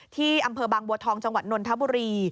ที่อำเภอบางบัวทองจังหวัดนนทบุรี